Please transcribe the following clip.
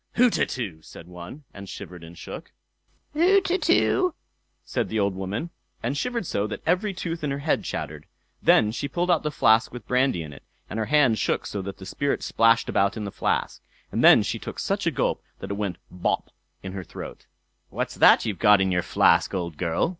"Hutetu!" said one, and shivered and shook. "Hutetu!" said the old woman, and shivered so, that every tooth in her head chattered. Then she pulled out the flask with brandy in it, and her hand shook so that the spirit splashed about in the flask, and then she took such a gulp, that it went "bop" in her throat. "What's that you've got in your flask, old girl?"